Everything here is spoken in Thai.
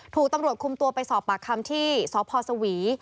ถูกตำรวจคุมตัวไปสอบปากคำที่สพสวี